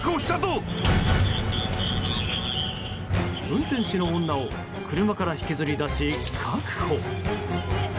運転手の女を車から引きずり出し、確保。